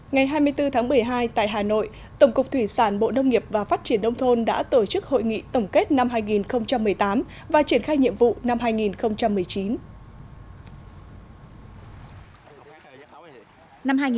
ngày hai mươi bốn tháng một mươi hai tại hà nội tổng cục thủy sản bộ nông nghiệp và phát triển đông thôn đã tổ chức hội nghị tổng kết năm hai nghìn một mươi tám và triển khai nhiệm vụ năm hai nghìn một mươi chín